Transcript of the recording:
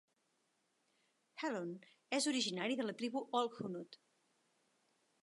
Hoelun és originari de la tribu Olkhunut.